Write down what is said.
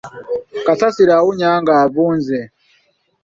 Kasasiro awunya ng'avunze.